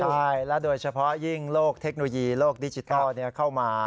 ใช่และโดยเฉพาะยิ่งโลกเทคโนโลยีโลกดิจิทัลเข้ามา